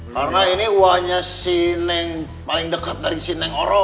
karena ini wanya si neng paling dekat dari si neng orang